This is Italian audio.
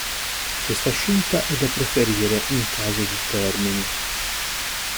Questa scelta è da preferire in caso di termini.